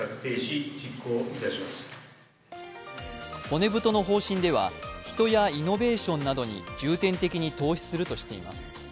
骨太の方針では、人やイノベーションなどに重点的に投資するとしています。